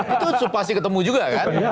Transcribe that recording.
itu pasti ketemu juga kan